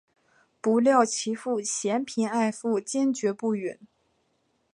不料其父嫌贫爱富坚决不允。